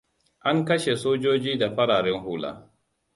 An kashe sojoji da fararen hula.